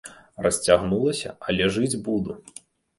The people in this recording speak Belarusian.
Расцягнулася, але жыць буду.